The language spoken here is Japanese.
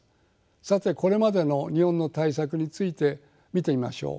さてこれまでの日本の対策について見てみましょう。